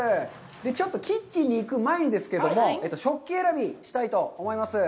ちょっとキッチンに行く前ですけれども、食器選びをしたいと思います。